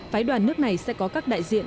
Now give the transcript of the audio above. phái đoàn nước này sẽ có các đại diện